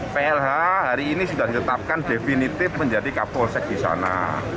plh hari ini sudah ditetapkan definitif menjadi kapolsek di sana